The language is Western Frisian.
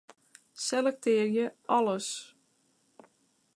Selektearje alles.